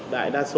đại đa số